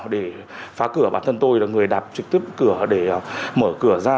để phá cửa bản thân tôi là người đạp trực tiếp cửa để mở cửa ra